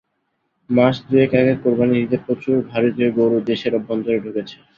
মাস দুয়েক আগে কোরবানির ঈদে প্রচুর ভারতীয় গরু দেশের অভ্যন্তরে ঢুকেছে।